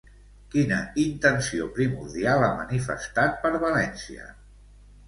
Quina intenció primordial ha manifestat per València?